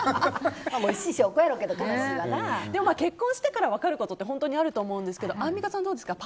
結婚してから分かることってあると思うんですけどアンミカさん、どうですか？